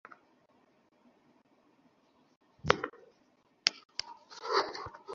কিন্তু মাদ্রাসার নিয়োগ পরীক্ষায় প্রথম হওয়ার কারণে আমাকে নিয়োগ দেওয়া হয়েছে।